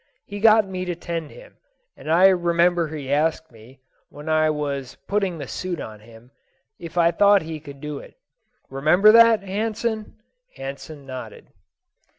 He got me to tend him, and I remember he asked me, when I was putting the suit on him, if I thought he could do it. Remember that, Hansen?" Hansen nodded.